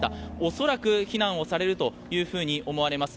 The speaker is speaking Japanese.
恐らく避難をされると思われます。